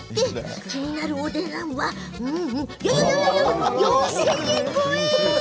気になるお値段はよ、４０００円！